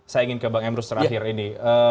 saya ingin ke bang emrus terakhir ini